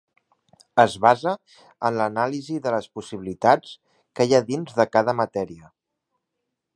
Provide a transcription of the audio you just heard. Es basa en l'anàlisi de les possibilitats que hi ha dins de cada matèria.